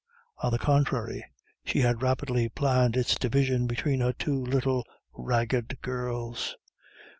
On the contrary, she had rapidly planned its division between her two little ragged girls.